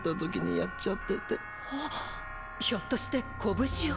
ひょっとして拳を。